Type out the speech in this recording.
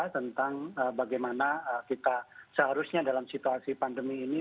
tentang bagaimana kita seharusnya dalam situasi pandemi ini